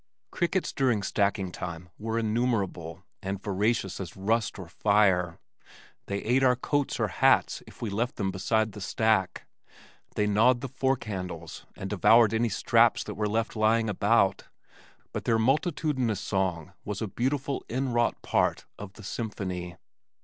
Crickets during stacking time were innumerable and voracious as rust or fire. They ate our coats or hats if we left them beside the stack. They gnawed the fork handles and devoured any straps that were left lying about, but their multitudinous song was a beautiful inwrought part of the symphony.